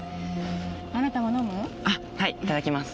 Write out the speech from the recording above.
あっはいいただきます。